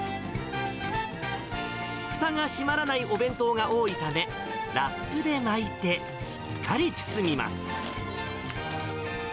ふたが閉まらないお弁当が多いため、ラップで巻いて、しっかり包みます。